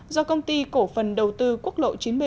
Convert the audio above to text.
do công ty cổ phần đầu tư quốc lộ chín mươi bảy